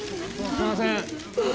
すいません！